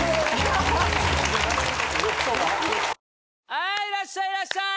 はいいらっしゃいいらっしゃい！